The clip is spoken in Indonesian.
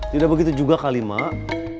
tidak begitu juga kali mak